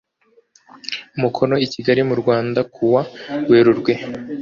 umukono i kigali mu rwanda ku wa werurwe